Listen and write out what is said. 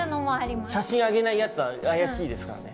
写真上げないヤツは怪しいですからね。